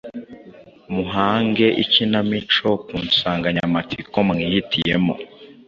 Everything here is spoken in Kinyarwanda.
Muhange ikinamico ku nsanganyamatsiko mwihitiyemo.